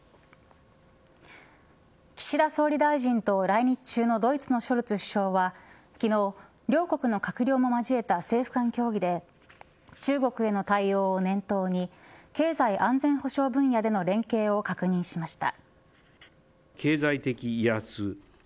岸田総理大臣と来日中のドイツのショルツ首相は昨日、両国の閣僚も交えた政府間協議で中国への対応を念頭に経済安全保障分野での連携を確認しました。